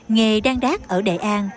nghề đang đát ở đại an